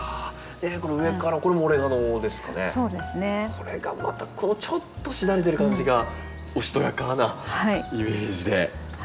これがまたちょっとしだれてる感じがおしとやかなイメージで。